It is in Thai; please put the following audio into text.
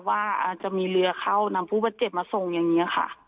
ว่าอาจจะมีเรือเข้านำผู้บาดเจ็บมาส่งอย่างนี้ค่ะ